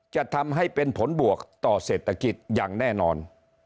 จะทำให้เป็นผลบวกต่อเศรษฐกิจอย่างแน่นอน